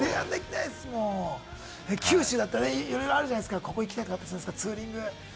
九州だったらいろいろあるじゃないですか、ここ行きたいとか、ツーリングで。